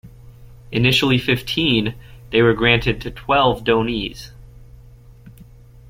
Initially fifteen, they were granted to twelve donees.